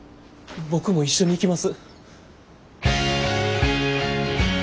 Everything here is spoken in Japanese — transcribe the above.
僕も一緒に行きます。